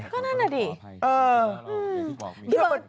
ก็นั่นแหละดิพี่เบิร์ตเออ